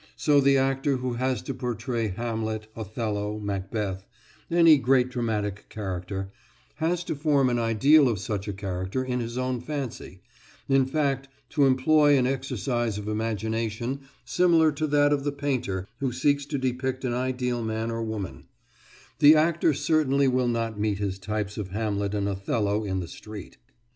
So the actor who has to portray Hamlet, Othello, Macbeth any great dramatic character has to form an ideal of such a character in his own fancy, in fact, to employ an exercise of imagination similar to that of the painter who seeks to depict an ideal man or woman; the actor certainly will not meet his types of Hamlet and Othello in the street.